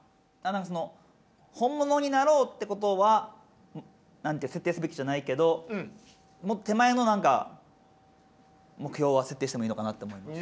その本物になろうってことは設定すべきじゃないけどもっと手前の何か目標は設定してもいいのかなと思いました。